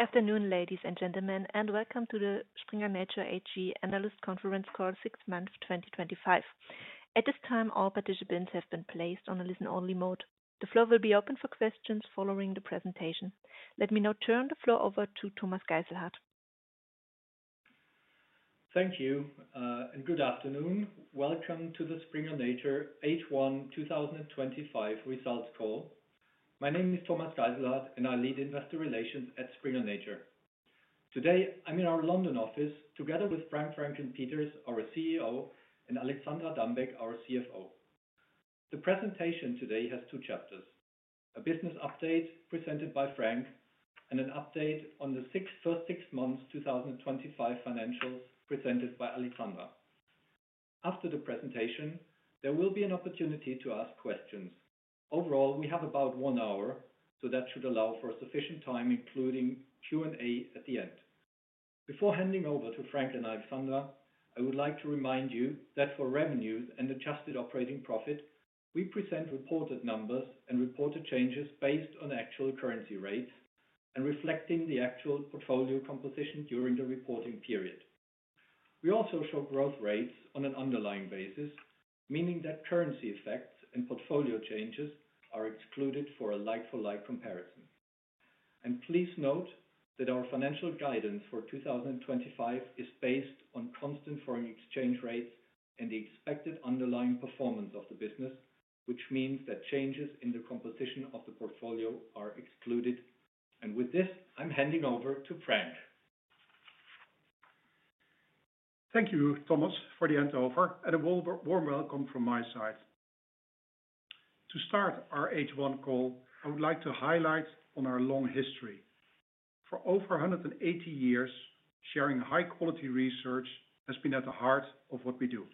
Afternoon, ladies and gentlemen, and welcome to the Springer Nature AG Analyst Conference Call 6 Months 2025. At this time, all participants have been placed on a listen-only mode. The floor will be open for questions following the presentation. Let me now turn the floor over to Thomas Geisselhart. Thank you and good afternoon. Welcome to the Springer Nature H1 2025 Results Call. My name is Thomas Geisselhart and I lead Investor Relations at Springer Nature. Today I'm in our London office together with Frank Vrancken Peeters, our CEO, and Alexandra Dambeck, our CFO. The presentation today has two chapters: a business update presented by Frank and an update on the first six months 2025 financials presented by Alexandra. After the presentation there will be an opportunity to ask questions. Overall, we have about one hour, so that should allow for sufficient time, including Q&A at the end. Before handing over to Frank and Alexandra, I would like to remind you that for revenues and adjusted operating profit, we present reported numbers and reported changes based on actual currency rates and reflecting the actual portfolio composition during the reporting period. We also show growth rates on an underlying basis, meaning that currency effects and portfolio changes are excluded for a like-for-like comparison. Please note that our financial guidance for 2025 is based on constant foreign exchange rates and the expected underlying performance of the business, which means that changes in the composition of the portfolio are excluded. With this, I'm handing over to Frank. Thank you, Thomas, for the handover and a warm welcome from my side. To start our H1 call, I would like to highlight our long history. For over 180 years, sharing high quality research has been at the heart of what we do.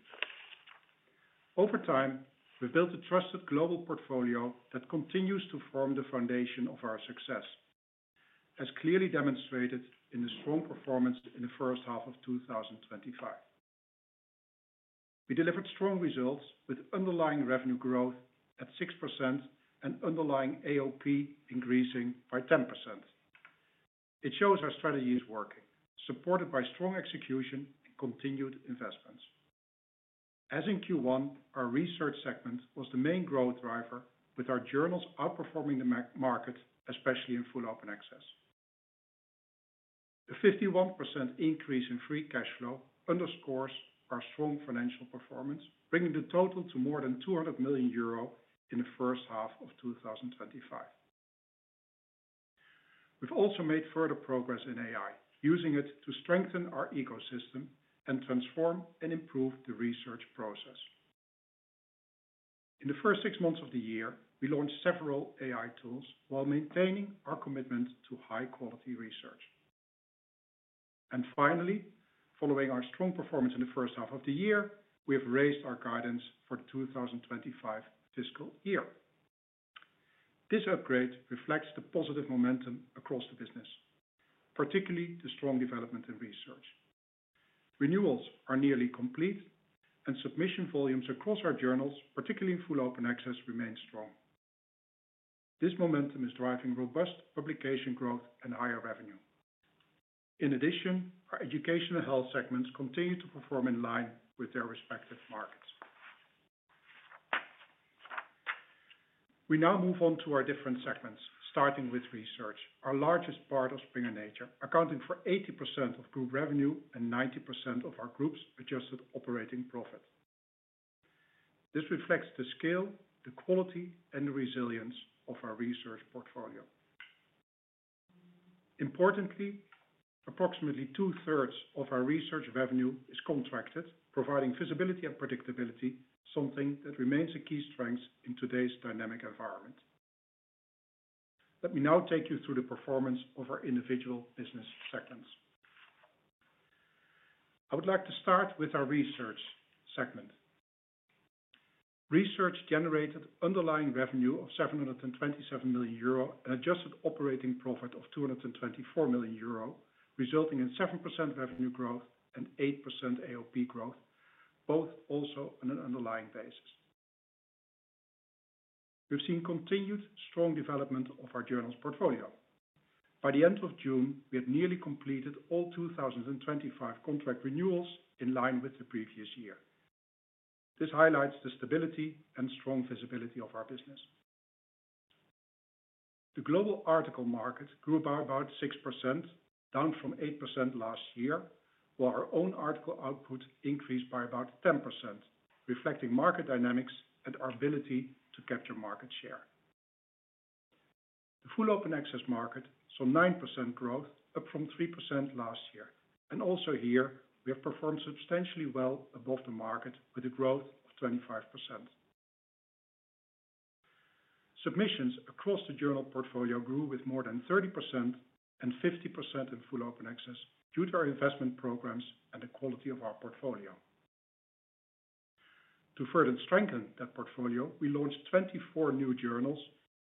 Over time, we built a trusted global portfolio that continues to form the foundation of our success. As clearly demonstrated in the strong performance in the first half of 2025, we delivered strong results with underlying revenue growth at 6% and underlying AOP increasing by 10%. It shows our strategy is working, supported by strong execution and continued investments. As in Q1, our research segment was the main growth driver, with our journals outperforming the market, especially in full open access. A 51% increase in free cash flow underscores our strong financial performance, bringing the total to more than 200 million euro in the first half of 2025. We've also made further progress in AI, using it to strengthen our ecosystem and transform and improve the research process. In the first six months of the year, we launched several AI tools while maintaining our commitment to high quality research. Finally, following our strong performance in the first half of the year, we have raised our guidance for the 2025 fiscal year. This upgrade reflects the positive momentum across the business, particularly the strong development in research. Renewals are nearly complete and submission volumes across our journals, particularly in full open access, remain strong. This momentum is driving robust publication growth and higher revenue. In addition, our educational health segments continue to perform in line with their respective markets. We now move on to our different segments, starting with research, our largest part of Springer Nature, accounting for 80% of group revenue and 90% of our group's adjusted operating profit. This reflects the scale, the quality, and the resilience of our research portfolio. Importantly, approximately 2/3 of our research revenue is contracted, providing visibility and predictability, something that remains a key strength in today's dynamic environment. Let me now take you through the performance of our individual business segments. I would like to start with our research segment. Research generated underlying revenue of 727 million euro and adjusted operating profit of 224 million euro, resulting in 7% revenue growth and 8% AOP growth, both also on an underlying basis. We've seen continued strong development of our journals portfolio. By the end of June, we had nearly completed all 2025 contract renewals in line with the previous year. This highlights the stability and strong visibility of our business. The global article market grew by about 6%, down from 8% last year, while our own article output increased by about 10%, reflecting market dynamics and our ability to capture market share. The full open access market saw 9% growth, up from 3% last year. Here we have performed substantially well above the market with a growth of 25%. Submissions across the journal portfolio grew with more than 30% and 50% in full open access due to our investment programs and the quality of our portfolio. To further strengthen that portfolio, we launched 24 new journals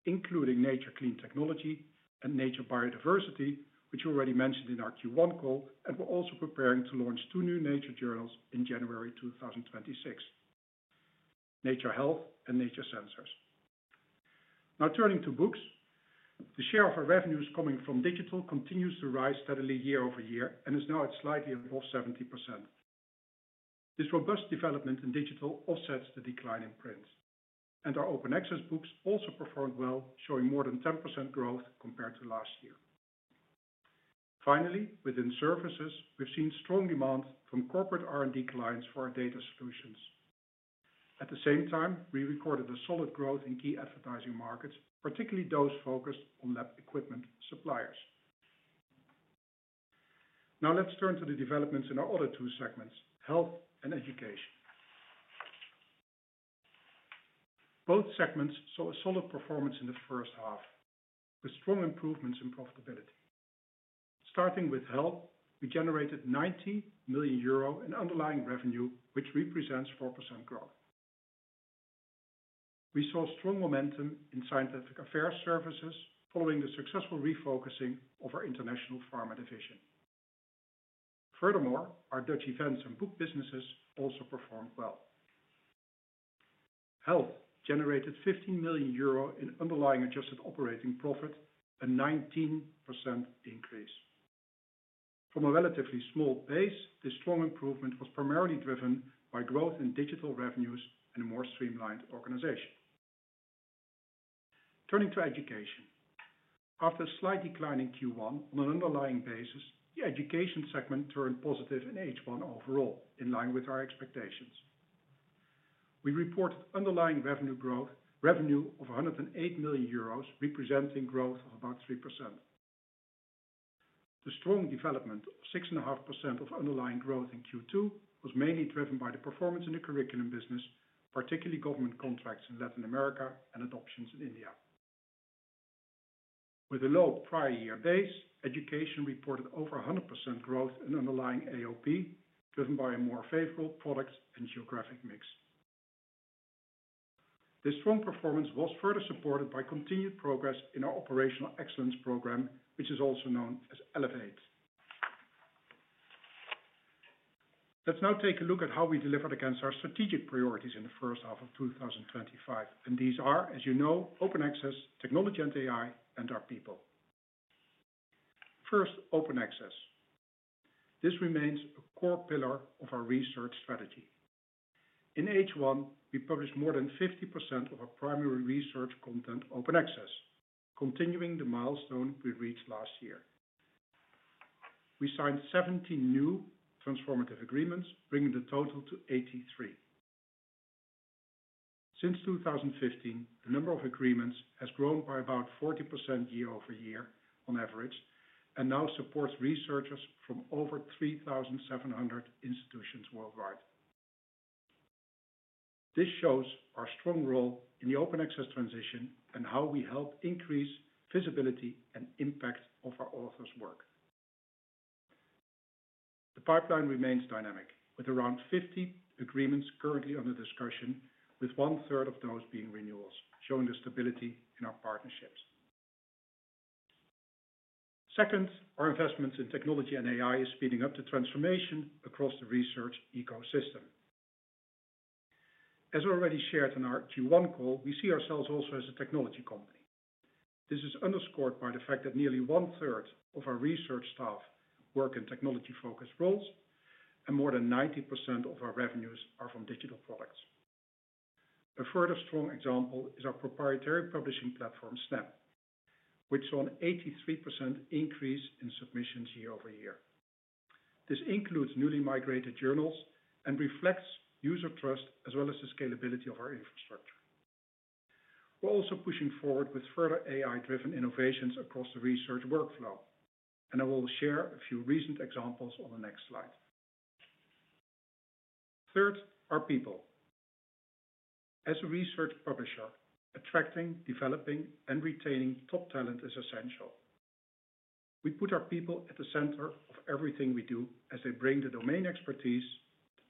including Nature Reviews Clean Technology and Nature Reviews Biodiversity, which were already mentioned in our Q1 call. We're also preparing to launch two new Nature journals in January 2026, Nature Reviews Health and Nature Reviews Sensors. Now turning to books, the share of our revenues coming from digital continues to rise steadily year-over-year and is now at slightly above 70%. This robust development in digital offsets the decline in print, and our open access books also performed well, showing more than 10% growth compared to last year. Finally, within services, we've seen strong demand from corporate R&D clients for our data solutions. At the same time, we recorded solid growth in key advertising markets, particularly those focused on lab equipment suppliers. Now let's turn to the developments in our other two segments, health and education. Both segments saw a solid performance in the first half with strong improvements in profitability. Starting with health, we generated 90 million euro in underlying revenue, which represents 4% growth. We saw strong momentum in scientific affairs services following the successful refocusing of our international pharma division. Furthermore, our Dutch events and book businesses also performed well. Health generated 15 million euro in underlying adjusted operating profit and 19 million from a relatively small base. This strong improvement was primarily driven by growth in digital revenues and a more streamlined organization. Turning to Education, after a slight decline in Q1 on an underlying basis, the education segment turned positive in H1. Overall, in line with our expectations, we reported underlying revenue growth revenue of 108 million euros, representing growth of about 3%. The strong development of 6.5% of underlying growth in Q2 was mainly driven by the performance in the curriculum business, particularly government contracts in Latin America and adoptions in India. With a low prior year base, education reported over 100% growth in underlying AOP driven by a more favorable product and geographic mix. This strong performance was further supported by continued progress in our Operational Excellence Program, which is also known as Elevate. Let's now take a look at how we delivered against our strategic priorities in the first half of 2025, and these are, as you know, Open Access, technology and AI, and our People first. Open Access remains a core pillar of our research strategy. In H1, we published more than 50% of our primary research content Open Access. Continuing the milestone we reached last year, we signed 17 new transformative agreements, bringing the total to 83. Since 2015, the number of agreements has grown by about 40% year-over-year on average and now supports researchers from over 3,700 institutions worldwide. This shows our strong role in the open access transition and how we help increase visibility and impact of our authors' work. The pipeline remains dynamic with around 50 agreements currently under discussion, with 1/3 of those being renewals, showing the stability in our partnerships. Second, our investments in technology and AI is speeding up the transformation across the research ecosystem. As already shared in our Q1 call, we see ourselves also as a technology company. This is underscored by the fact that nearly 1/3 of our research staff work in technology-focused roles and more than 90% of our revenues are from digital products. A further strong example is our proprietary publishing platform Snap, which saw an 83% increase in submissions year-over-year. This includes newly migrated journals and reflects user trust as well as the scalability of our infrastructure. We're also pushing forward with further AI-driven innovations across the research workflow, and I will share a few recent examples on the next slide. Third are people. As a research publisher, attracting, developing, and retaining top talent is essential. We put our people at the center of everything we do, as they bring the domain expertise,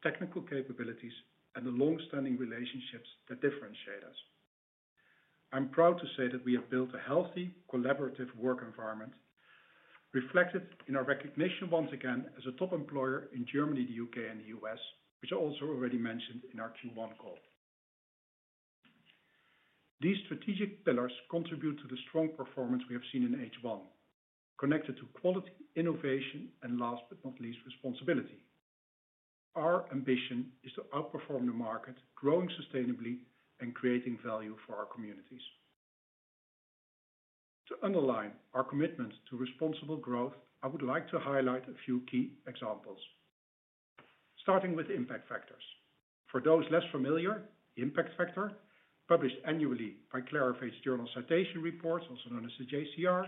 technical capabilities, and the long-standing relationships that differentiate us. I'm proud to say that we have built a healthy, collaborative work environment, reflected in our recognition once again as a top employer in Germany, the U.K., and the U.S., which were also already mentioned in our Q1 call. These strategic pillars contribute to the strong performance we have seen in H1, connected to quality, innovation, and last but not least, responsibility. Our ambition is to outperform the market, growing sustainably and creating value for our communities. To underline our commitment to responsible growth, I would like to highlight a few key examples, starting with impact factors. For those less familiar, Impact Factor, published annually by Clarivate's Journal Citation Reports, also known as the JCR,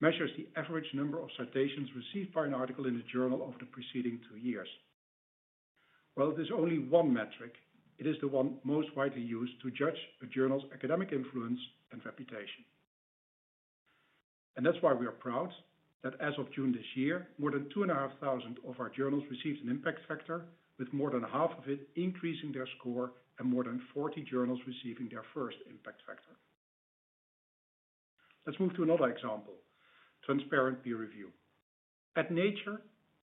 measures the average number of citations received by an article in the journal of the preceding two years. While it is only one metric, it is the one most widely used to judge a journal's academic influence and reputation. That's why we are proud that as of June this year, more than 2,500 of our journals received an impact factor, with more than half of them increasing their score and more than 40 journals receiving their first impact factor. Let's move to another example: Transparent Peer Review. At Nature,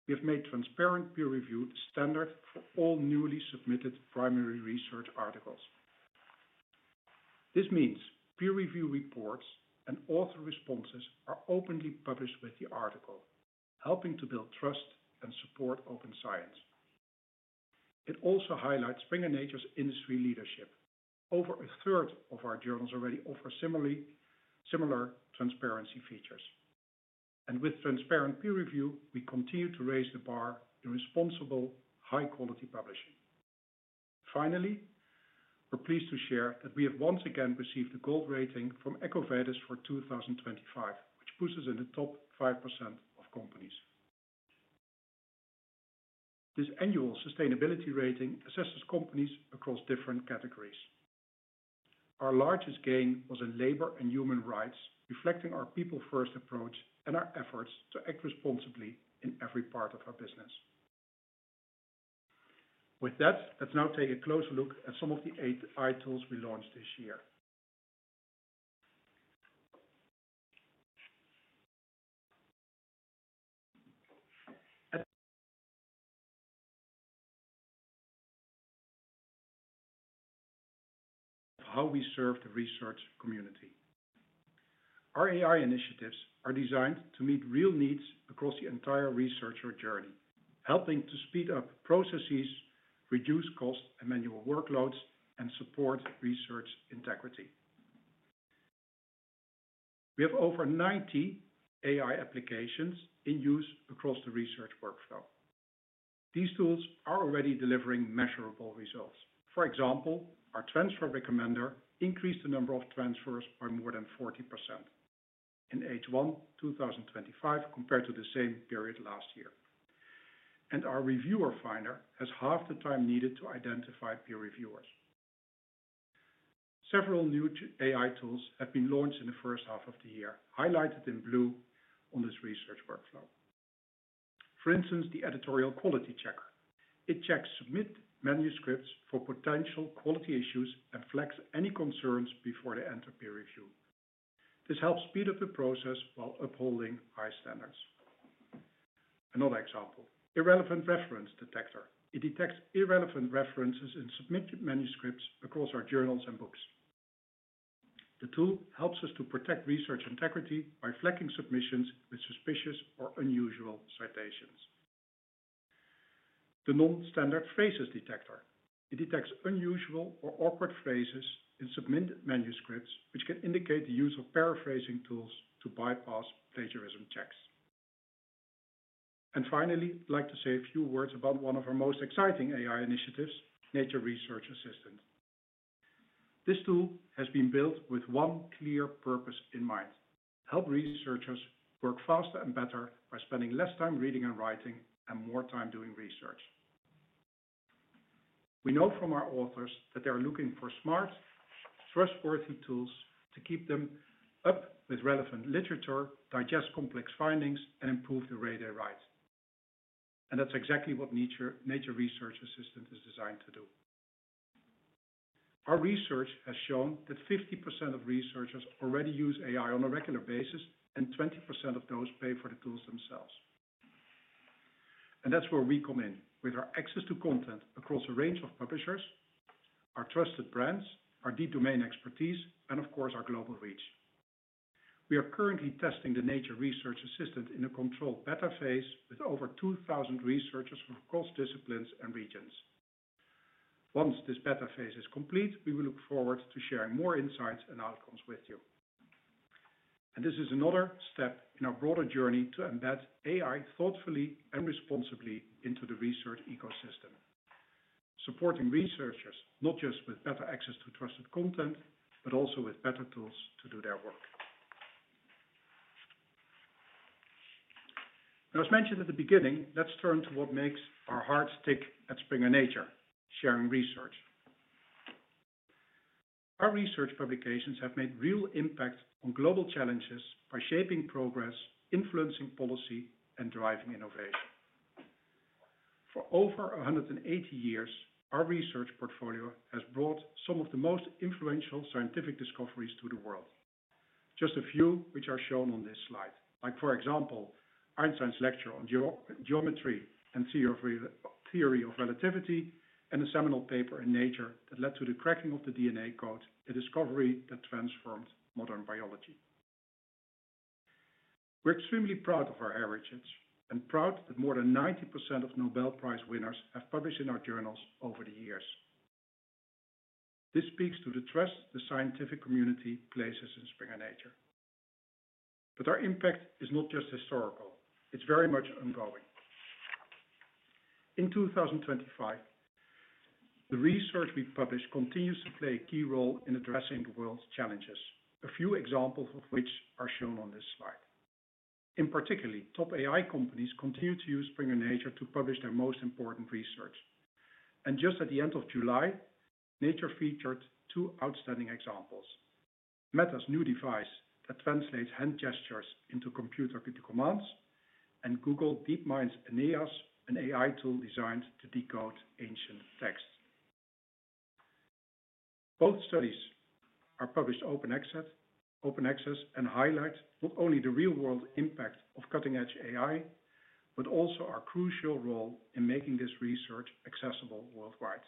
we have made transparent peer review standard for all newly submitted primary research articles. This means peer review reports and author responses are openly published with the article, helping to build trust and support open science. It also highlights Springer Nature's industry leadership. Over 1/3 of our journals already offer similar transparency features, and with transparent peer review, we continue to raise the bar in responsible, high-quality publishing. Finally, we're pleased to share that we have once again received a gold rating from Ecovadis for 2025, which puts us in the top 5% of companies. This annual sustainability rating assesses companies across different categories. Our largest gain was in labor and human rights, reflecting our people-first approach and our efforts to act responsibly in every part of our business. With that, let's now take a closer look at some of the eight AI tools we launched this year. How we serve the research community. Our AI initiatives are designed to meet real needs across the entire researcher journey, helping to speed up processes, reduce cost and manual workloads, and support research integrity. We have over 90 AI applications in use across the research workflow. These tools are already delivering measurable results. For example, our transfer recommender increased the number of transfers by more than 40% in H1 2025 compared to the same period last year. Our Reviewer Finder has halved the time needed to identify peer reviewers. Several new AI tools have been launched in the first half of the year, highlighted in blue on this research workflow. For instance, the Editorial Quality Checker checks submitted manuscripts for potential quality issues and flags any concerns before they enter peer review. This helps speed up the process while upholding high standards. Another example is the Irrelevant Reference Detector. It detects irrelevant references in submitted manuscripts across our journals and books. The tool helps us to protect research integrity by flagging submissions with suspicious or unusual citations. The Non Standard Phrases Detector detects unusual or awkward phrases in submitted manuscripts, which can indicate the use of paraphrasing tools to bypass plagiarism checks. Finally, I'd like to say a few words about one of our most exciting AI initiatives, Nature Research Assistant. This tool has been built with one clear purpose: to help researchers work faster and better by spending less time reading and writing and more time doing research. We know from our authors that they are looking for smart, trustworthy tools to keep them up with relevant literature, digest complex findings, and improve the way they write. That's exactly what Nature Research Assistant is designed to do. Our research has shown that 50% of researchers already use AI on a regular basis and 20% of those pay for the tools themselves. That's where we come in with our access to content across a range of publishers, our trusted brands, our deep domain expertise, and of course, our global reach. We are currently testing the Nature Research Assistant in a controlled beta phase with over 2,000 researchers from across disciplines and regions. Once this beta phase is complete, we will look forward to sharing more insights and outcomes with you. This is another step in our broader journey to embed AI thoughtfully and responsibly into the research ecosystem, supporting researchers not just with better access to trusted content, but also with better tools to do their work. As mentioned at the beginning, let's turn to what makes our hearts tick at Springer Nature. Sharing research, our research publications have made real impact on global challenges by shaping progress, influencing policy, and driving innovation. For over 180 years, our research portfolio has brought some of the most influential scientific discoveries to the world. Just a few which are shown on this slide, like for example, Einstein's lecture on geometry and theory of relativity and a seminal paper in Nature that led to the cracking of the DNA code, a discovery that transformed modern biology. We're extremely proud of our heritage and proud that more than 90% of Nobel Prize winners have published in our journals over the years. This speaks to the trust the scientific community places in Springer Nature. Our impact is not just historical, it's very much ongoing. In 2025, the research we publish continues to play a key role in addressing the world's challenges, a few examples of which are shown on this slide. In particular, top AI companies continue to use Springer Nature to publish their most important research, and just at the end of July, Nature featured two outstanding examples: Meta's new device that translates hand gestures into computer commands and Google DeepMind's Aeneas, an AI tool designed to decode ancient facts. Both studies are published open access and highlight not only the real world impact of cutting edge AI, but also our crucial role in making this research accessible worldwide.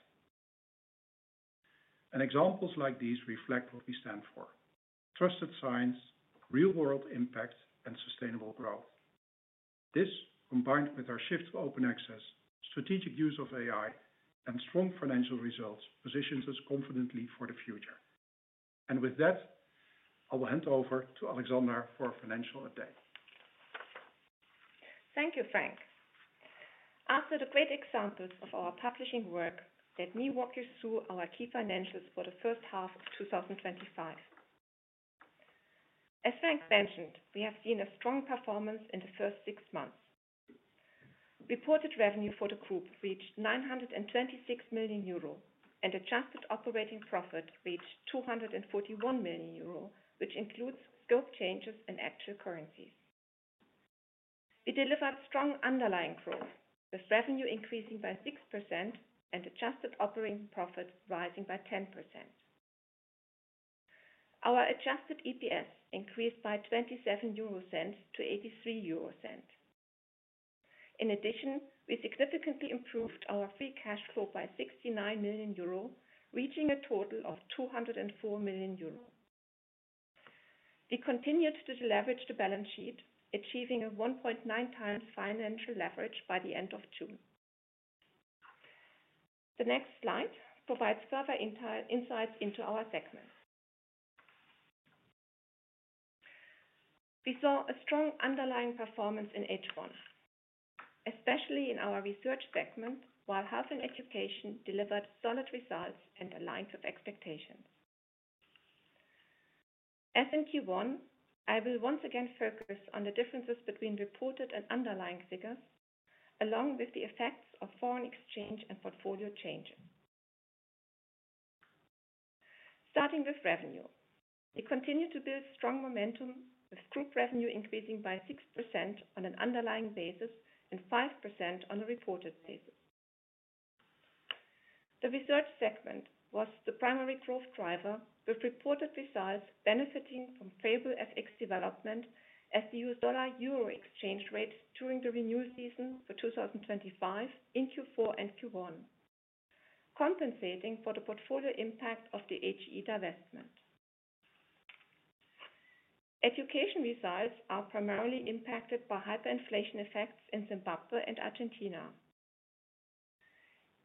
Examples like these reflect what we stand for: trusted science, real world impact, and sustainable growth. This, combined with our shift to open access, strategic use of AI, and strong financial results, positions us confidently for the future. With that, I will hand over to Alexandra Dambeck for the financial update. Thank you, Frank. After the great examples of our publishing work, let me walk you through our key financials for the first half 2025. As Frank mentioned, we have seen a strong performance in the first six months. Reported revenue for the group reached 926 million euro and adjusted operating profit reached 241 million euro, which includes scope changes in actual currencies. We delivered strong underlying growth with revenue increasing by 6% and adjusted operating profit rising by 10%. Our adjusted EPS increased by 0.27 to 0.83. In addition, we significantly improved our free cash flow by 69 million euro, reaching a total of 204 million euro. We continued to deleverage the balance sheet, achieving a 1.9x financial leverage by the end of June. The next slide provides further insight into our segment. We saw a strong underlying performance in H1, especially in our research segment, while health and education delivered solid results and aligned with expectations. As in Q1, I will once again focus on the differences between reported and underlying figures along with the effects of foreign exchange and portfolio changes. Starting with revenue, we continue to build strong momentum with group revenue increasing by 6% on an underlying basis and 5% on a reported basis. The research segment was the primary growth driver with reported results benefiting from favorable FX development as the U.S. dollar-euro exchange rate during the renewal season for 2025 in Q4 and Q1, compensating for the portfolio impact of the HEE divestment. Education results are primarily impacted by hyperinflation effects in Zimbabwe and Argentina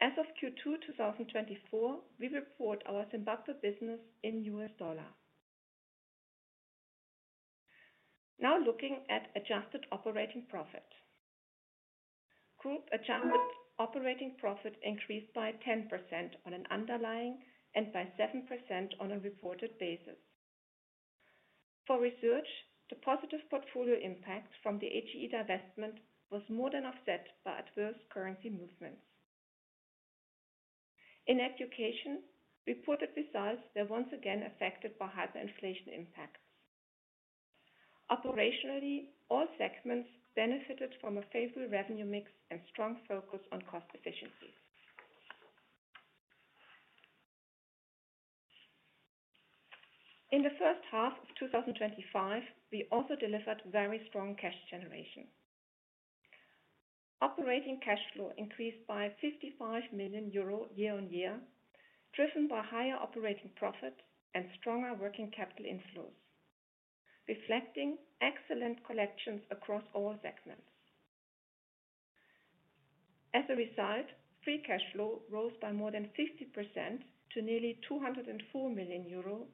as of Q2 2024. We report our Zimbabwe business in U.S. dollar. Now looking at adjusted operating profit, group adjusted operating profit increased by 10% on an underlying and by 7% on a reported basis. For research, the positive portfolio impact from the HEE divestment was more than offset by adverse currency movements. In education, reported results were once again affected by hyperinflation impacts. Operationally, all segments benefited from a favorable revenue mix and strong focus on cost efficiencies. In the first half of 2025, we also delivered very strong cash generation. Operating cash flow increased by 55 million euro year-on-year, driven by higher operating profit and stronger working capital inflows, reflecting excellent collections across all segments. As a result, free cash flow rose by more than 50% to nearly 204 million euro,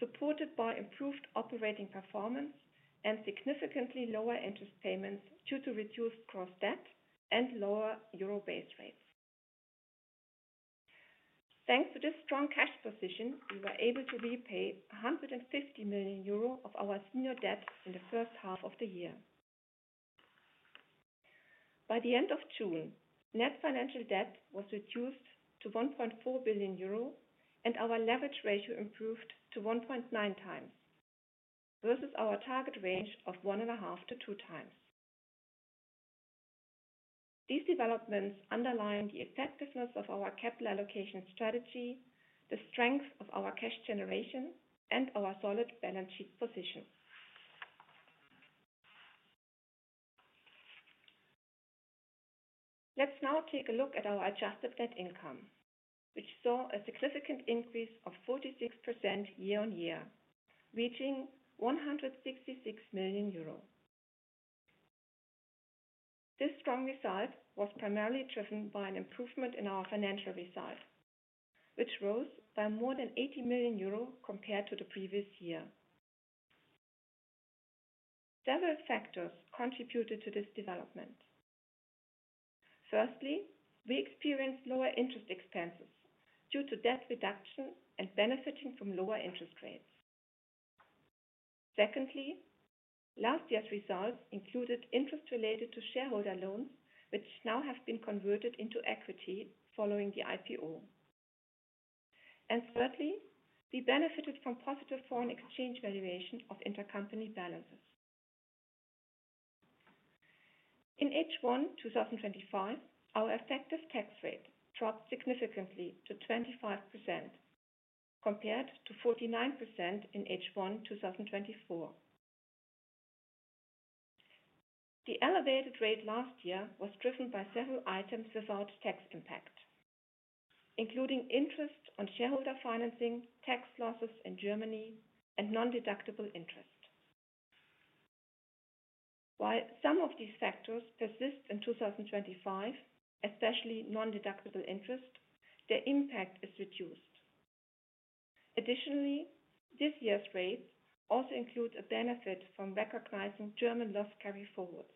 supported by improved operating performance and significantly lower interest payments due to reduced gross debt and lower euro base rates. Thanks to this strong cash position, we were able to repay 150 million euro of our senior debt in the first half of the year. By the end of June, net financial debt was reduced to 1.4 billion euro and our leverage ratio improved to 1.9x versus our target range of 1.5x-2x. These developments underline the effectiveness of our capital allocation strategy, the strength of our cash generation, and our solid balance sheet position. Let's now take a look at our adjusted net income, which saw a significant increase of 46% year-on-year, reaching EUR 166 million. This strong result was primarily driven by an improvement in our financial result, which rose by more than 80 million euro compared to the previous year. Several factors contributed to this development. Firstly, we experienced lower interest expenses due to debt reduction and benefiting from lower interest rates. Secondly, last year's results included interest related to shareholder loans, which now have been converted into equity following the IPO. Thirdly, we benefited from positive foreign exchange valuation of intercompany balances. In H1 2025, our effective tax rate dropped significantly to 25% compared to 49% in H1 2024. The elevated rate last year was driven by several items without tax impact, including interest on shareholder financing, tax losses in Germany, and non-deductible interest. While some of these factors persist in 2025, especially non-deductible interest, their impact is reduced. Additionally, this year's rates also include a benefit from recognizing German loss carryforwards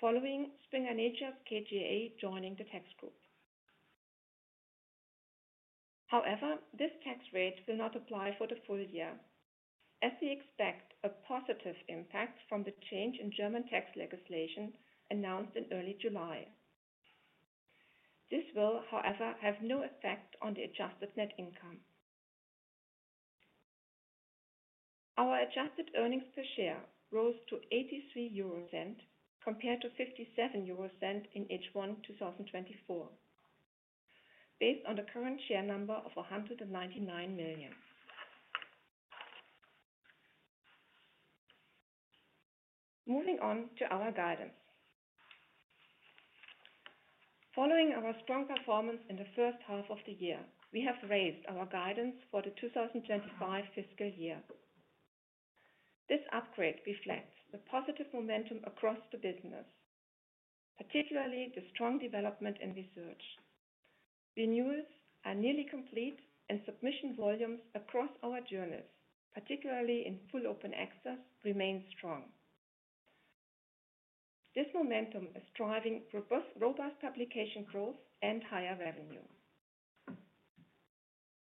following Springer Nature KGA joining the tax group. However, this tax rate will not apply for the full year as we expect a positive impact from the change in German tax legislation announced in early July. This will, however, have no effect on the adjusted net income. Our adjusted earnings per share rose to 0.83 compared to 0.57 in H1 2024, based on the current share number of 199 million. Moving on to our guidance, following our strong performance in the first half of the year, we have raised our guidance for the 2025 fiscal year. This upgrade reflects the positive momentum across the business, particularly the strong development in research. Renewals are nearly complete and submission volumes across our journals, particularly in full open access, remain strong. This momentum is driving robust publication growth and higher revenue.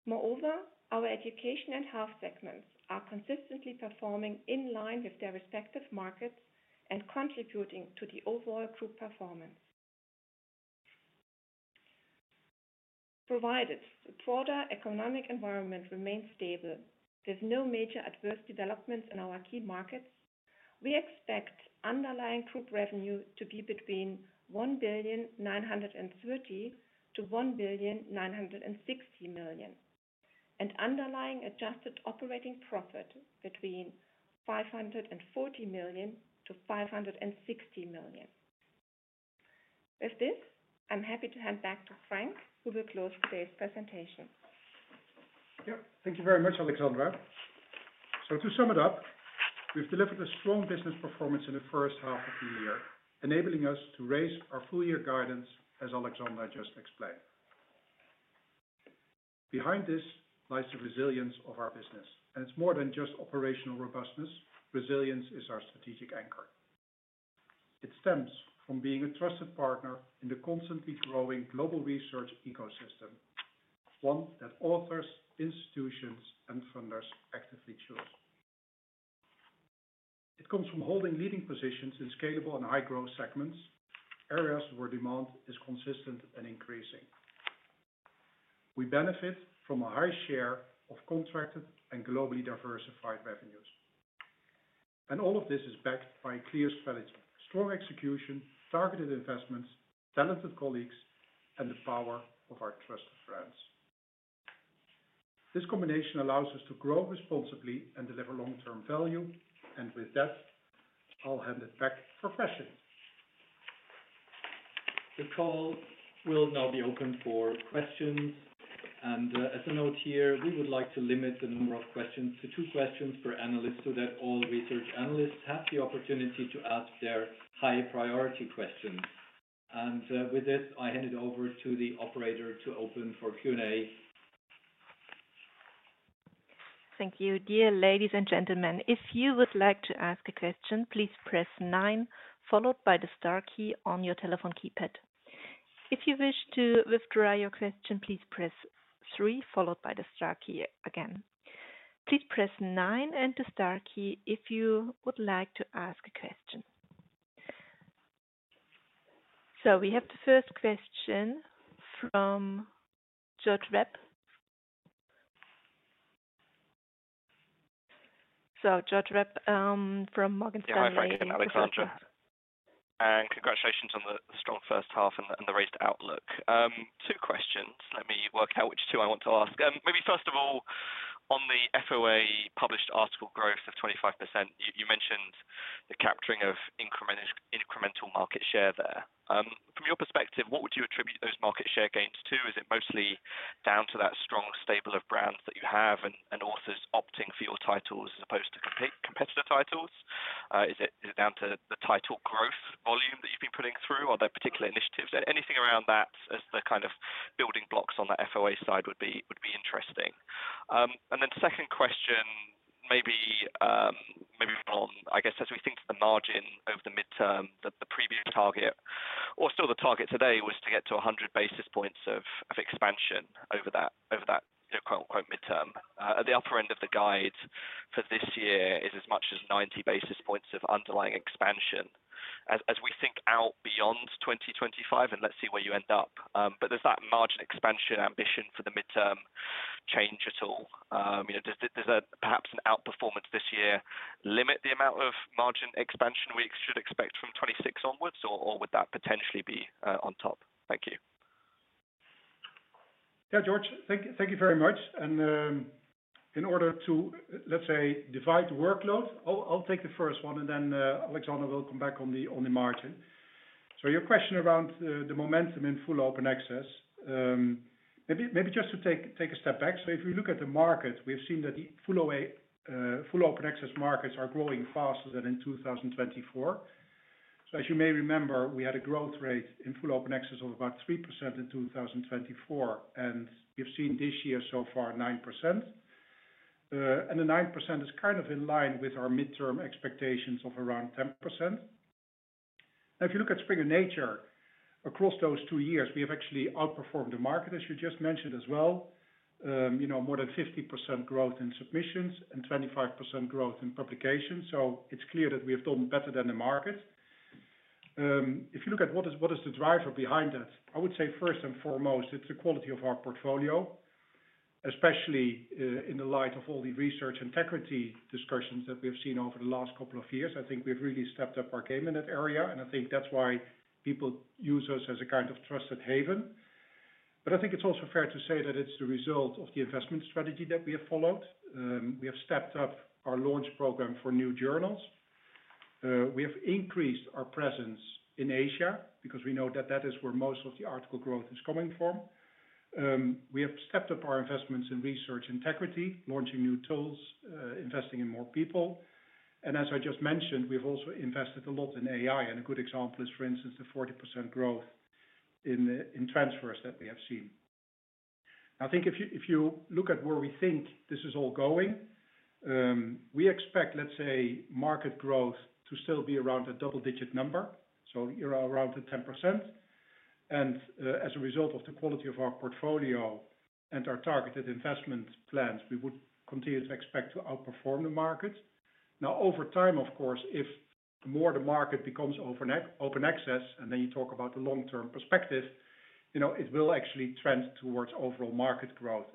Moreover, our education and health segments are consistently performing in line with their respective markets and contributing to the overall group performance. Provided the broader economic environment remains stable with no major adverse developments in our key markets, we expect underlying group revenue to be between 1.93 billion-1.96 billion and underlying adjusted operating profit between 540 million-560 million. With this, I'm happy to hand back to Frank who will close today's presentation. Thank you very much, Alexandra. To sum it up, we've delivered a strong business performance in the first half of the year, enabling us to raise our full year guidance. As Alexandra just explained, behind this lies the resilience of our business and it's more than just operational robustness. Resilience is our strategic anchor. It stems from being a trusted partner in the constantly growing global research ecosystem, one that authors, institutions, and funders actively choose. It comes from holding leading positions in scalable and high growth segments, areas where demand is consistent and increasing. We benefit from a high share of contracted and globally diversified revenues. All of this is backed by clear, strong execution, targeted investments, talented colleagues, and the power of our trusted friends. This combination allows us to grow responsibly and deliver long term value. With that, I'll hand it back for questions. The call will now be open for questions. Questions, and as a note here, we. Would like to limit the number of questions to two questions per analyst so that all research analysts have the opportunity to ask their high priority questions. With that, I hand it over to the operator to open for Q&A. Thank you. Dear ladies and gentlemen, if you would like to ask a question, please press nine followed by the star key on your telephone keypad. If you wish to withdraw your question, please press three followed by the star key. Again, please press nine and the star key if you would like to ask a question. We have the first question from. George Webb. George Webb from Morgan Stanley. Congratulations on the strong first half and the raised outlook. Two questions. Let me work out which two I want to ask. Maybe first of all, on the FOA published article growth of 25%, you mentioned the capturing of incremental market share there. From your perspective, what would you attribute those market share gains to? Is it mostly down to that strong stable of brands that you have and authors opting for your titles as opposed to competitor titles? Is it down to the title growth volume that you've been putting through particular initiatives? Anything around that as the kind of building blocks on the FOA side would be interesting. Second question, maybe, I guess as we think to the margin of the midterm that the previous target, or still the target today was to get to 100 basis points of expansion over that midterm. At the upper end of the guide for this year is as much as 90 basis points of underlying expansion as we think out beyond 2025 and let's see where you end up. Does that margin expansion ambition for the midterm change at all? Does that perhaps an outperformance this year limit the amount of margin expansion we should expect from 2026 onwards? Would that potentially be on top? Thank you, George. Thank you very much. In order to, let's say, divide workload, I'll take the first one and then Alexandra will come back on the margin. Your question around the momentum in full open access? Maybe just to take a step back. If we look at the market, we have seen that the full open access markets are growing faster than in 2024. As you may remember, we had a growth rate in full open access of about 3% in 2024 and we've seen this year so far 9%. The 9% is kind of in line with our midterm expectations of around 10%. If you look at Springer Nature across those two years, we have actually outperformed the market, as you just mentioned as well, you know, more than 50% growth in submissions and 25% growth in publications. It's clear that we have done better than the market. If you look at what is the driver behind that, I would say first and foremost it's the quality of our portfolio, especially in the light of all the research integrity discussions that we have seen over the last couple of years. I think we've really stepped up our game in that area and I think that's why people use us as a kind of trusted haven. I think it's also fair to say that it's the result of the investment strategy that we have followed. We have stepped up our launch program for new journals, we have increased our presence in Asia because we know that that is where most of the article growth is coming from. We have stepped up our investments in research integrity, launching new tools, investing in more people. As I just mentioned, we've also invested a lot in AI. A good example is, for instance, the 40% growth in transfers that we have seen. If you look at where we think this is all going, we expect, let's say, market growth to still be around a double digit number, so you're around 10%. As a result of the quality of our portfolio and our targeted investment plans, we would continue to expect to outperform the market. Over time, of course, if more the market becomes open access and then you talk about the long term perspective, you know it will actually trend towards overall market growth.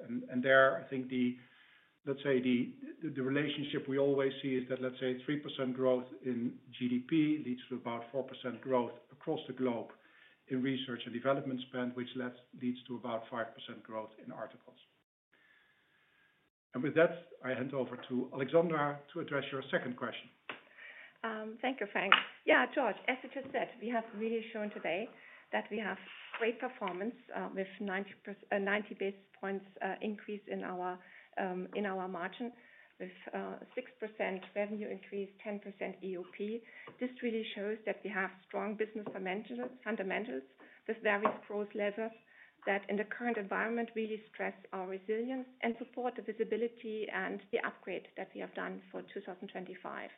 There I think the, let's say, the relationship we always see is that let's say 3% growth in GDP leads to about 4% growth across the globe in research and development spend, which leads to about 5% growth in articles. With that I hand over to Alexandra to address your second question. Thank you, Frank. Yeah, George, as I just said, we have really shown today that we have great performance with 90 basis points increase in our margin, with 6% revenue increase, 10% EOP. This really shows that we have strong business fundamentals with various growth levers that in the current environment really stress our resilience and support the visibility and the upgrade that we have done for 2025.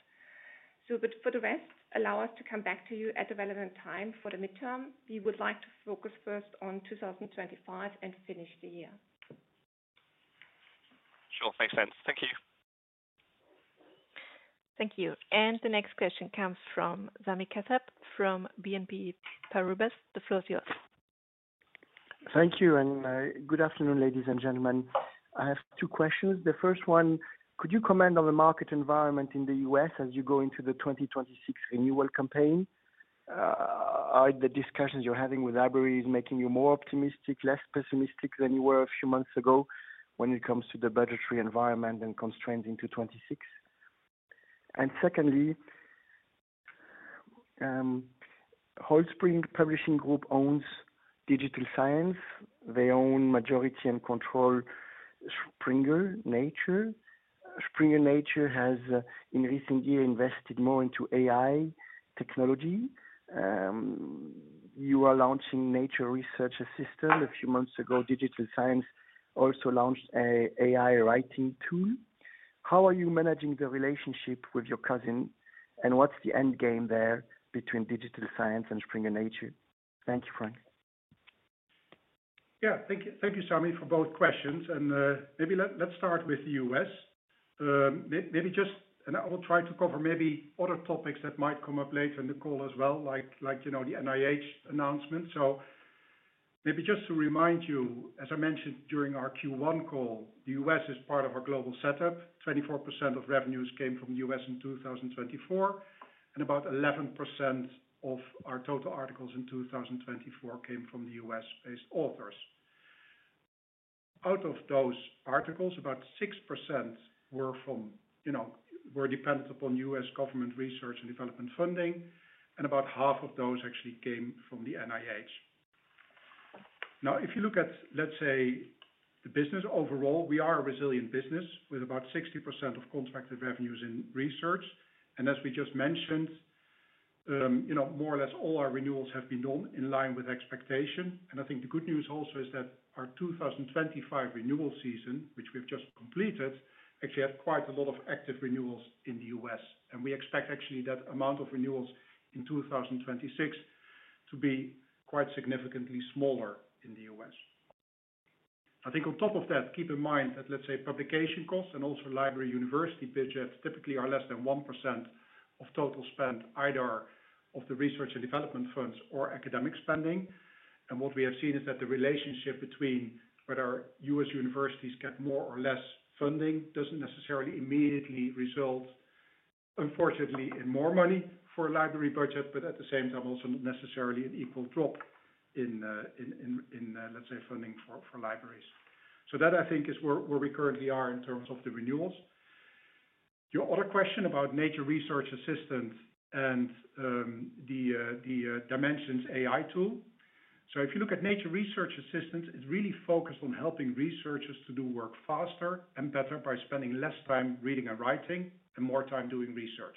For the rest, allow us to come back to you at the relevant time. For the midterm we would like to focus first on 2025 and finish the year. Sure, makes sense. Thank you. Thank you. The next question comes from Sami Kassab from BNP Paribas, the floor is yours. Thank you and good afternoon ladies and gentlemen. I have two questions. The first one, could you comment on the market environment in the U.S. as you go into the 2026 renewal campaign? Are the discussions you're having with Abery making you more optimistic, less pessimistic than you were a few months ago when it comes to the budgetary environment and constraints into 2026? Secondly, Holzbrinck Publishing Group owns Digital Science. They own majority and control Springer Nature. Springer Nature has in recent years invested more into AI technology. You are launching Nature Research Assistant a few months ago. Digital Science also launched an AI writing tool. How are you managing the relationship with your cousin? What's the end game there between Digital Science and Springer Nature? Thank you, Frank. Thank you, Sami, for both questions. Maybe let's start with us. I will try to cover other topics that might come up later in the call as well, like the NIH announcement. Just to remind you, as I mentioned during our Q1 call, the U.S. is part of our global setup. 24% of revenues came from the U.S. in 2024, and about 11% of our total articles in 2024 came from U.S.-based authors. Out of those articles, about 6% were dependent upon U.S. government research and development funding, and about half of those actually came from the NIH. If you look at the business overall, we are a resilient business with about 60% of contracted revenues in research. As we just mentioned, more or less all our renewals have been done in line with expectation. The good news also is that our 2025 renewal season, which we've just completed, actually had quite a lot of active renewals in the U.S., and we expect that amount of renewals in 2026 to be quite significantly smaller in the U.S. On top of that, keep in mind that publication costs and also library university budgets typically are less than 1% of total spend, either of the research and development funds or academic spending. What we have seen is that the relationship between whether U.S. universities get more or less funding doesn't necessarily immediately result in, unfortunately, more money for a library budget, but at the same time also not necessarily an equal drop in funding for libraries. That is where we currently are in terms of the renewals. Your other question about Nature Research Assistant and the Dimensions AI tool. If you look at Nature Research Assistant, it's really focused on helping researchers to do work faster and better by spending less time reading and writing and more time doing research.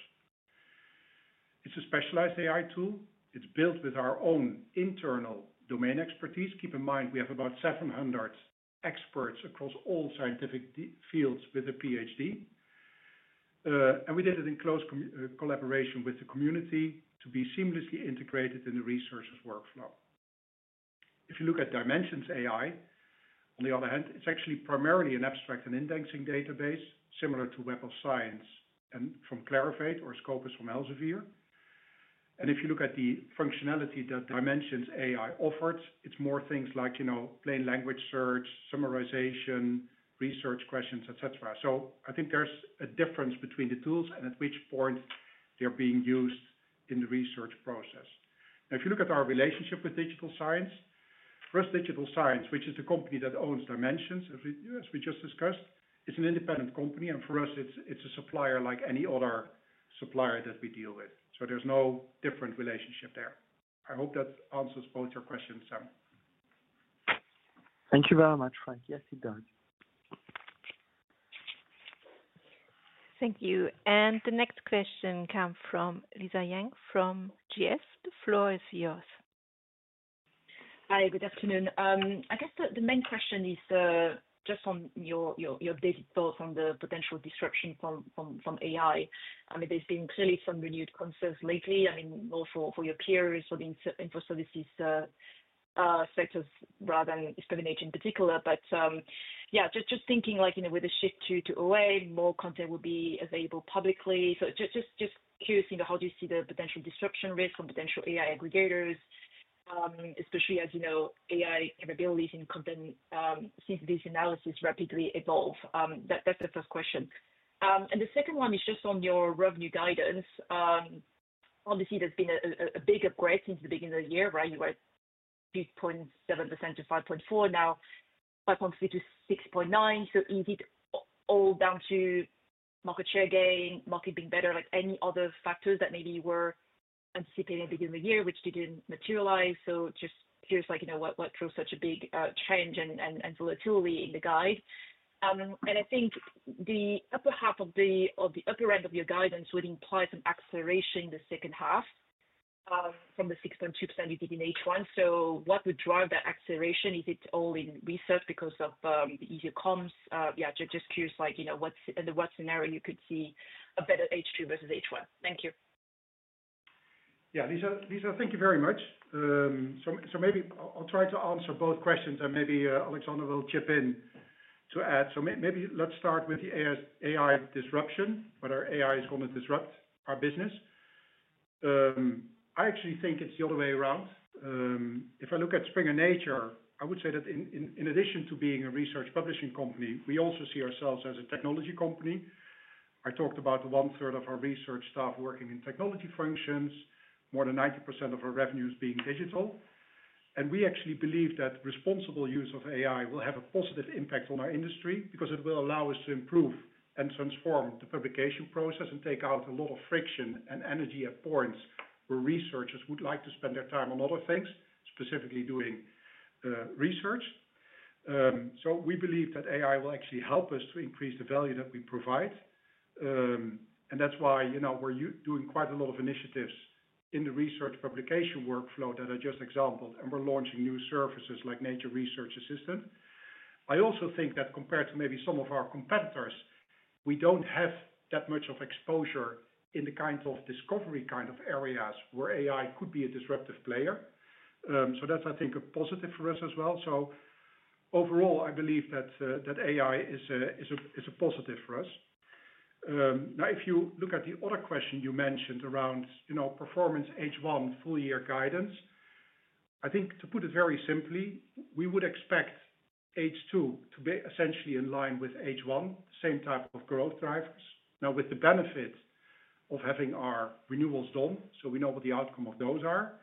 It's a specialized AI tool. It's built with our own internal domain expertise. Keep in mind, we have about 700 experts across all scientific fields with a PhD, and we did it in close collaboration with the community to be seamlessly integrated in the researcher's workflow. If you look at Dimensions AI, on the other hand, it's actually primarily an abstract and indexing database, similar to Web of Science from Clarivate or Scopus from Elsevier. If you look at the functionality Dimensions AI offers, it's more things like plain language search, summarization, research questions, etc. I think there's a difference between the tools and at which point they're being used in the research process. If you look at our relationship with Digital Science, first, Digital Science, which is the company that owns Dimensions, as we just discussed, it's an independent company and for us it's a supplier like any other supplier that we deal with. There's no different relationship there. I hope that answers both your questions. Sam. Thank you very much, Frank. Yes, it does. Thank you. The next question comes from Lisa Yang from GS. The floor is yours. Hi, good afternoon. I guess the main question is just. On your basic thoughts on the potential disruption from AI. There's been clearly some renewed concerns lately, more for your peers, for the infra services sectors rather than Springer Nature in particular. Just thinking, with the shift to where more content will be available publicly, just curious, how do you see the potential disruption risk from potential aggregators, especially as AI capabilities incumbents see this analysis rapidly evolve. That's the first question. The second one is just on your revenue guidance. Obviously, there's been a big upgrade since the beginning of the year, right? You were 2.7%-5.4% now, 5.3%-6.9%. Is it all down to market share gain, market being better, any other factors that maybe were anticipated at the beginning of the year which didn't materialize? What was such a big change and volatility in the guide? I think the upper half of the upper end of your guidance would imply some acceleration in the second half from the 6.2% you did in H1. What would drive the acceleration? Is it all in research because of easy comps? Just curious, what's under what scenario you could see a better H2 versus H1. Thank you. Yeah, Lisa, thank you very much. Maybe I'll try to answer both questions and maybe Alexandra will chip in to add. Let's start with the AI disruption, whether AI is going to disrupt our business. I actually think it's the other way around. If I look at Springer Nature, I would say that in addition to being a research publishing company, we also see ourselves as a technology company. I talked about 1/3 of our research staff working in technology functions, more than 90% of our revenues being digital. We actually believe that responsible use of AI will have a positive impact on our industry because it will allow us to improve and transform the publication process and take out a lot of friction and energy at points where researchers would like to spend their time on other things, specifically doing research. We believe that AI will actually help us to increase the value that we provide. That's why we're doing quite a lot of initiatives in the research publication workflow that I just exampled, and we're launching new services like Nature Research Assistant. I also think that compared to maybe some of our competitors, we don't have that much of exposure in the kinds of discovery kind of areas where AI could be a disruptive player. I think that's a positive for us as well. Overall, I believe that AI is a positive for us. Now, if you look at the other question you mentioned around performance H1 full year guidance, I think, to put it very simply, we would expect H2 to be essentially in line with H1, the same type of growth drivers now with the benefit of having our renewals done. We know what the outcome of those are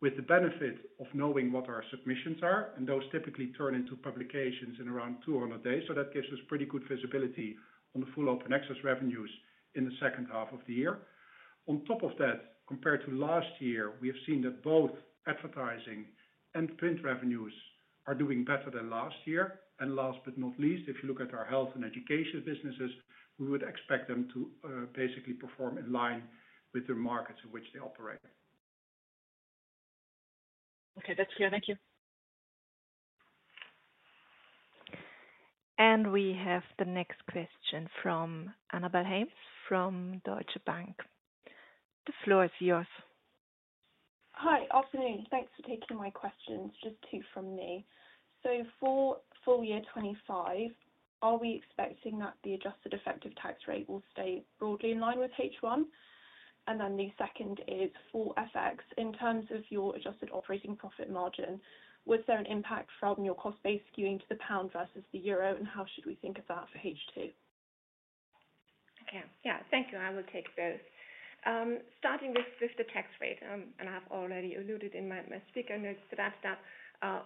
with the benefit of knowing what our submissions are, and those typically turn into publications in around 200 days. That gives us pretty good visibility on the full open access revenues in the second half of the year. On top of that, compared to last year, we have seen that both advertising and print revenues are doing better than last year. Last but not least, if you look at our health and education businesses, we would expect them to basically perform in line with the markets in which they operate. Okay, that's clear. Thank you. We have the next question from Annabel Hames from Deutsche Bank. The floor is yours. Hi. Afternoon. Thanks for taking my questions. Just two from me. For full year 2025, are we expecting that the adjusted effective tax rate will stay broadly in line with H1? The second is for FX. In terms of your adjusted operating profit margin, was there an impact from your cost base skewing to the pound versus the euro? How should we think of that for H2? Okay, yeah, thank you. I will take both, starting with the tax rate. I have already alluded in my speaker notes that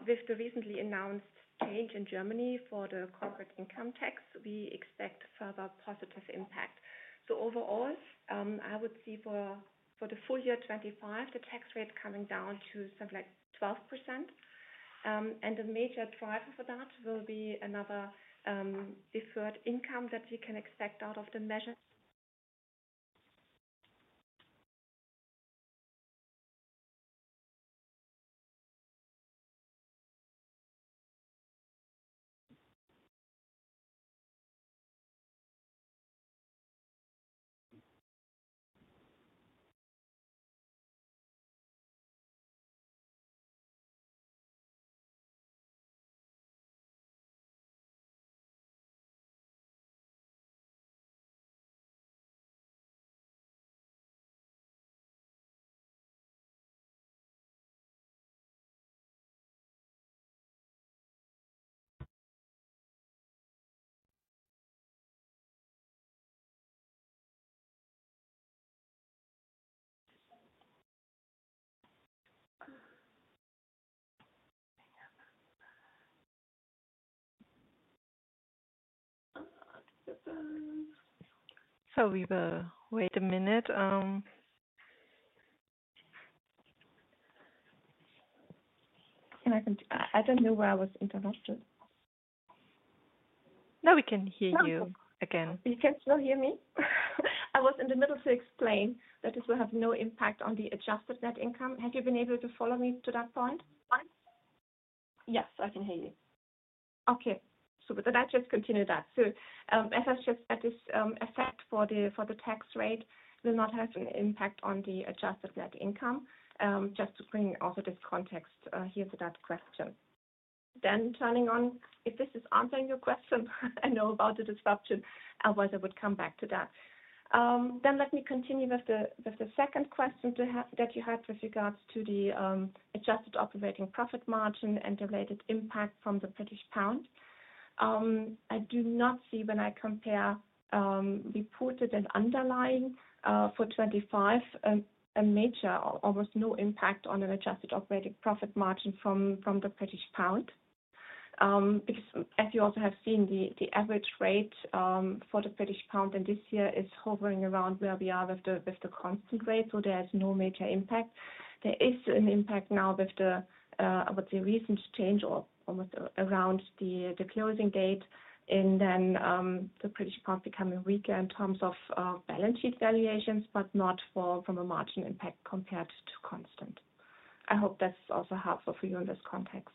with the recently announced change in Germany for the corporate income tax, we expect further positive impact. Overall, I would see for the full year 2025 the tax rate coming down to something like 12%. The major driver for that will be another deferred income that you can expect out of the measure. We were. Wait a minute. I don't know where I was interrupted. Now we can hear you again. You can still hear me. I was in the middle to explain that this will have no impact on the adjusted net income. Have you been able to follow me to that point? Yes, I can hear you. Okay, I just continue that. As I said, this effect for the tax rate will not have an impact on the adjusted net income. Just to bring also this context here to that question, turning on if this is answering your question, I know about the disruption. Otherwise, I would come back to that. Let me continue with the second question that you had with regards to the adjusted operating profit margin and related impact from the British pound. I do not see when I compare reported and underlying for 2025 a major almost no impact on an adjusted operating profit margin from the British pound because as you also have seen, the average rate for the British pound and this year is hovering around where we are with the constant rate. There is no major impact. There is an impact now with the recent change or almost around the closing date and then the British pound becoming weaker in terms of balance sheet valuations, but not from a margin impact compared to constant. I hope that's also helpful for you in this context.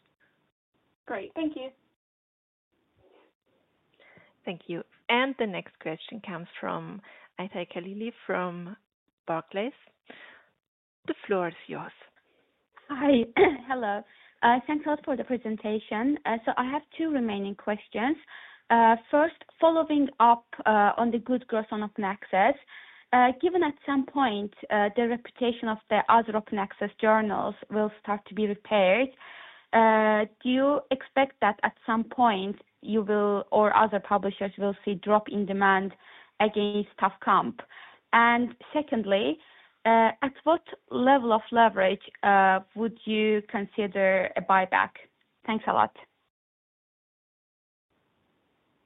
Great, thank you. Thank you. The next question comes from Aytaj Khalilli from Barclays. The floor is yours. Hi. Hello. Thanks a lot for the presentation. I have two remaining questions. First, following up on the good growth on open access, given at some point the reputation of the other open access journals will start to be repaired, do you expect that at some point you will or other publishers will see a drop in demand against tough competition? Secondly, at what level of leverage would you consider a buyback? Thanks a lot.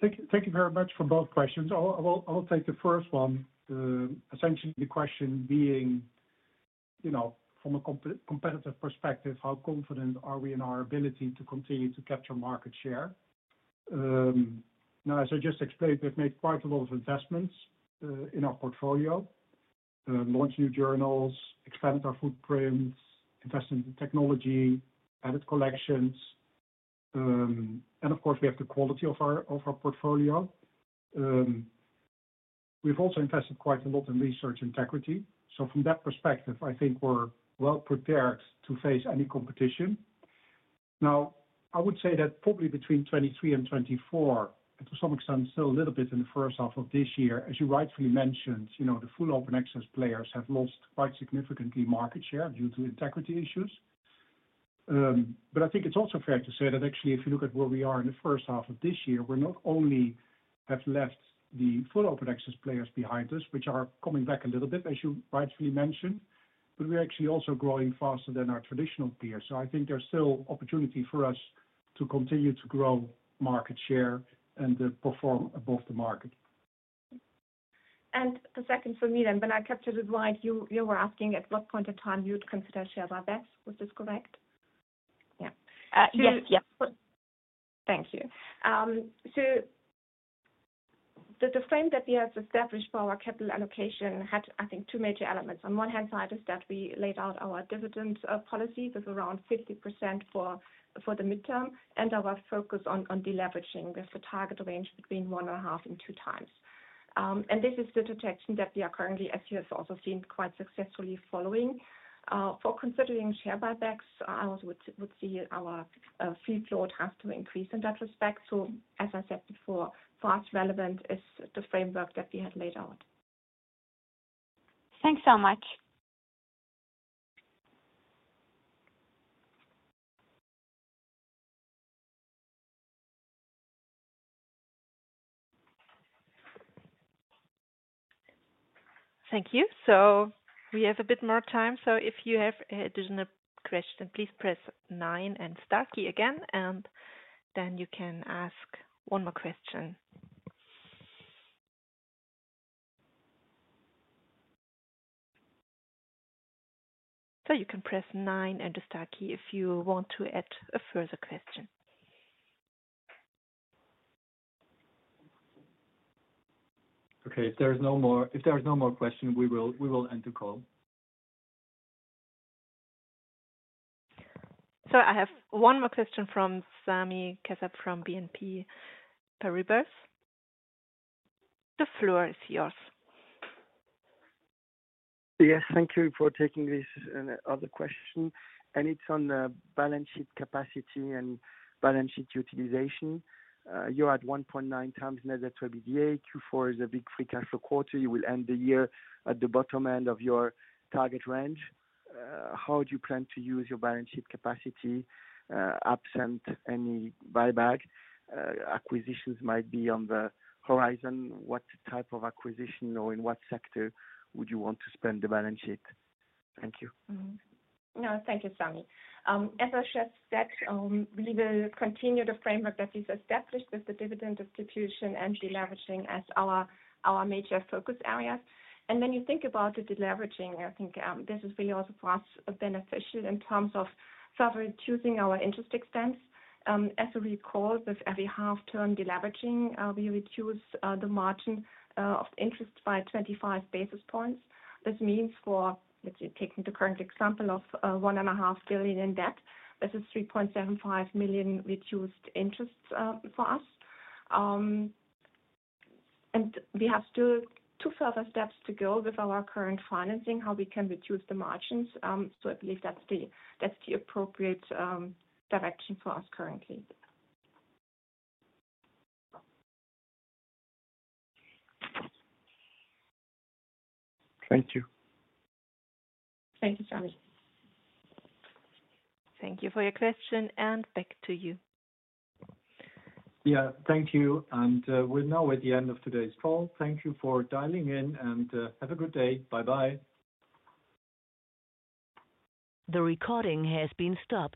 Thank you very much for both questions. I will take the first one. Essentially the question being, you know, from a competitive perspective, how confident are we in our ability to continue to capture market share? As I just explained, we've made quite a lot of investments in our portfolio, launched new journals, extended our footprint, invested in technology, added collections, and of course we have the quality of our portfolio. We've also invested quite a lot in research integrity. From that perspective, I think we're well prepared to face any competition. I would say that probably between 2023 and 2024, to some extent still a little bit in the first half of this year as you rightfully mentioned, the full open access players have lost quite significantly market share due to integrity issues. I think it's also fair to say that actually if you look at where we are in the first half of this year, we not only have left the full open access players behind us, which are coming back a little bit as you rightfully mentioned, but we're actually also growing faster than our traditional peers. I think there's still opportunity for us to continue to grow market share and perform above the market. The second for me, then, when I captured it right, you were asking at what point in time you'd consider share buyback. Was this correct? Yeah. Yes, thank you. The frame that we have established for our capital allocation had, I think, two major elements. On one hand side is that we laid out our dividend policy with around 50% for the midterm and our focus on deleveraging with the target range between 1.5x and 2x. This is the direction that we are currently, as you have also seen, quite successfully following for considering share buybacks. I also would see our field load has to increase in that respect. As I said before, what's relevant is the framework that we had laid out. Thanks so much. Thank you. We have a bit more time. If you have an additional question, please press nine and the star key again, and then you can ask one more question. You can press nine and the star key if you want to add a further question. Okay, if there's no more, if there's. No more questions, we will end the call. I have one more question from Sami Kassab from BNP Paribas. The floor is yours. Yes, thank you for taking this other question. It's on the balance sheet capacity and balance sheet utilization. You're at 1.9x net leverage. EBITDA. Q4 is a big free cash flow quarter. You will end the year at the. Bottom end of your target range. How do you plan to use your balance sheet capacity absent any buyback? Acquisitions might be on the horizon. What type of acquisition or in what sector would you want to spend the balance sheet? Thank you. Thank you, Sami. As Aytaj said, we will continue the framework that is established with the dividend distribution and deleveraging as our major focus areas. When you think about the deleveraging, I think this is really also for us beneficial in terms of choosing our interest expense. As you recall, with every half term deleveraging, we reduce the margin of interest by 25 basis points. This means, for example, with the current $1.5 billion in debt, this is $3.75 million reduced interest for us. We have still two further steps to go with our current financing, where we can reduce the margins. I believe that's the appropriate direction for us currently. Thank you. Thank you, Sami. Thank you for your question. Back to you. Thank you. We're now at the end of today's call. Thank you for dialing in, and have a good day. Bye. Bye. The recording has been stopped.